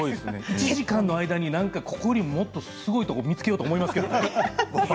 １時間の間に他にもっと、すごいところを見つけようと思いますけどね。